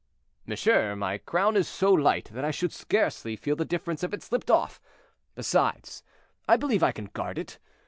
"Monsieur, my crown is so light that I should scarcely feel the difference if it slipped off; besides, I believe I can guard it.